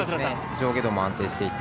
上下動も安定していて。